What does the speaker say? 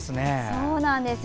そうなんです。